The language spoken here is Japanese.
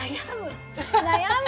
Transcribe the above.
悩む！